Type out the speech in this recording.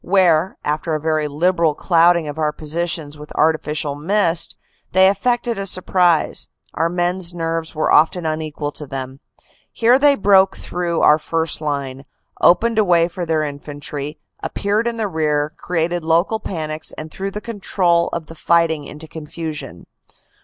Where, after a very liberal clouding of our positions with artificial mist, they effected a surprise, our men s nerves were often unequal to them. Here they broke through our first line, opened a way for their infantry, ap peared in the rear, created local panics, and threw the control of the fighting into confusion.